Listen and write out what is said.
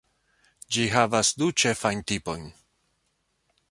Ĝi havas du ĉefajn tipojn.